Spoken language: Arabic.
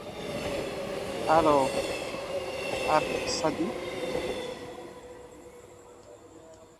شعرت بالصّدمة.